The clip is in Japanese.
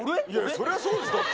そりゃそうでしょ、だって。